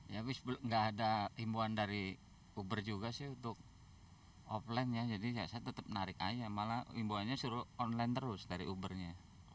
ya nggak ada himbuan dari uber juga sih untuk offline nya jadi saya tetap menarik aja malah himbuannya suruh online terus dari uber nya